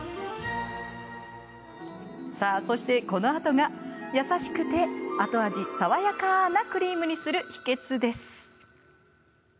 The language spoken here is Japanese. さあ、そして、このあとが優しくて後味爽やかなクリームにする秘けつです。